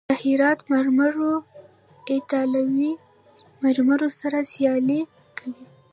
د هرات مرمر ایټالوي مرمرو سره سیالي کوي.